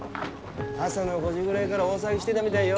朝の５時ぐらいがら大騒ぎしてだみだいよ。